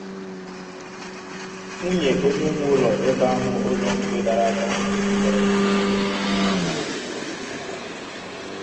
nwunye onye nwe ụlọ ebe ahụ ụlọ nke dara ada metụtara